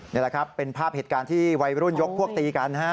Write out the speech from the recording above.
นี่แหละครับเป็นภาพเหตุการณ์ที่วัยรุ่นยกพวกตีกันนะฮะ